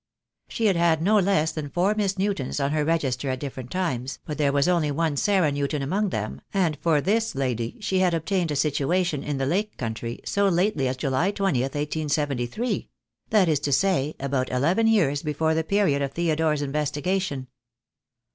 She had had no less than four Miss Newtons on her register at different times, but there was only one Sarah Newton among them, and for this lady she had obtained a situation in the Lake country so lately as July 20, 1873 — that is to say, about eleven years before the period of Theodore's investigation.